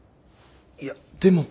いやでも。